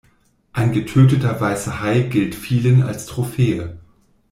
Ein getöteter weißer Hai gilt vielen als Trophäe.